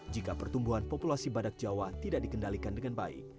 jika pertumbuhan populasi badak jawa tidak dikendalikan dengan baik